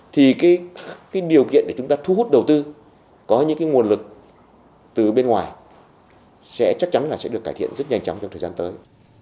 thì cái điều kiện để chúng ta thu hút đầu tư có những cái nguồn lực từ bên ngoài sẽ chắc chắn là sẽ được cải thiện rất nhanh chóng trong thời gian tới